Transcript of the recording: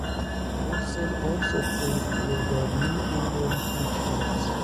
Wilson also played for the New England Patriots.